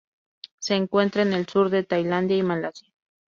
Se encuentra en el sur de Tailandia y Malasia.